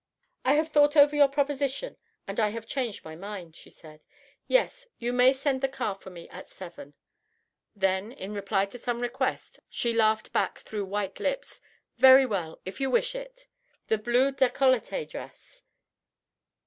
"I have thought over your proposition and I have changed my mind," she said. "Yes, you may send the car for me at seven." Then, in reply to some request, she laughed back, through white lips: "Very well, if you wish it the blue dress. Yes! The blue decollete dress."